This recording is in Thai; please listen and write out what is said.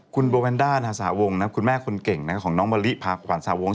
คุณโบแวนดาสาวงค์คุณแม่คุ้นเก่งของน้องวะลิพาขวรสาวงค์